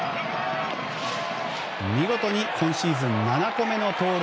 見事に今シーズン７個目の盗塁。